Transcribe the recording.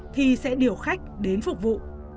thì sẽ điều khách đến phục vụ